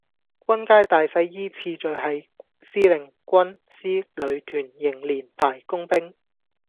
軍階大細依次序係司令,軍,師,旅,團,營,連,排,工兵